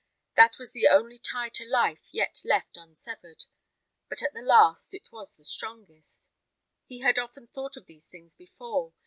That was the only tie to life yet left unsevered; but as the last, it was the strongest. He had often thought of these things before.